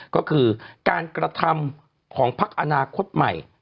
ก็คือการกระทำของพักอนาคตใหม่